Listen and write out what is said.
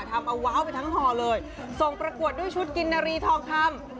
ทำเอาว้าวไปทั้งห่อเลยส่งประกวดด้วยชุดกินนารีทองคำ